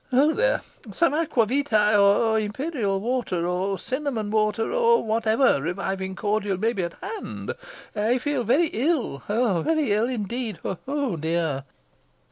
Ho, there! some aquavitæ or imperial water or cinnamon water or whatever reviving cordial may be at hand. I feel very ill very ill, indeed oh dear!"